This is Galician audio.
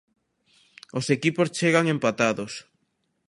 Os equipos chegan empatados.